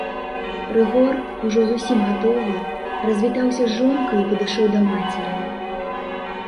Рыгор, ужо зусім гатовы, развітаўся з жонкаю і падышоў да мацеры.